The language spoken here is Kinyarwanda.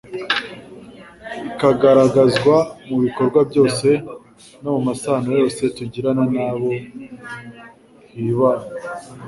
ikagaragazwa mu bikorwa byose no mu masano yose tugirana n'abo hibana.